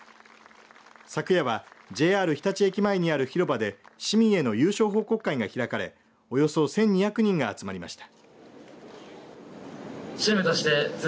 昨夜はＪＲ日立駅前にある広場で市民への優勝報告会が開かれおよそ１２００人が集まりました。